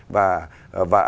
và ảnh hưởng đến